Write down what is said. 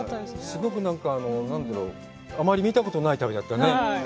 すごくなんか、何だろう、あまり見たことない旅だったね。